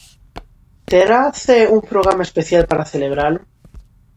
Terá Cee un programa especial para celebralo?